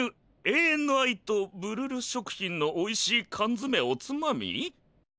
永遠の愛とブルル食品のおいしい缶詰おつまみ」？